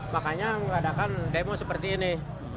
makanya mengadakan demo seperti ini